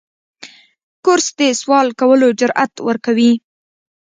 کورس د سوال کولو جرأت ورکوي.